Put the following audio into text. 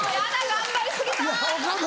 頑張り過ぎた。